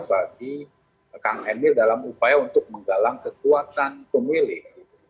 bagi kang emil dalam upaya untuk menggalang kekuatan pemilih